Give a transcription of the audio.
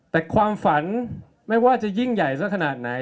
แต่ความฝันไม่ว่าจะยิ่งใหญ่สักขนาดไหน